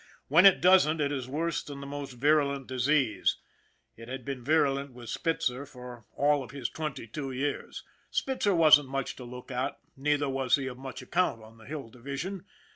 When it doesn't, it is worse than the most virulent disease it had been virulent with Spitzer for all of his twenty two years. Spitzer wasn't much to look at, neither was he of much account on the Hill Division.